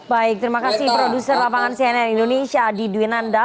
baik terima kasih produser lapangan cnn indonesia adi dwinanda